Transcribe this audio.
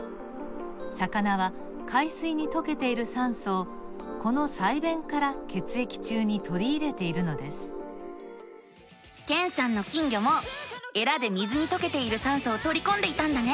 魚は海水にとけている酸素をこの鰓弁から血液中にとりいれているのですけんさんの金魚もえらで水にとけている酸素をとりこんでいたんだね。